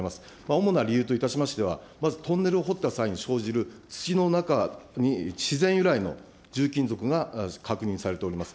主な理由といたしましては、まずトンネルを掘った際に生じる土の中に自然由来の重金属が確認されております。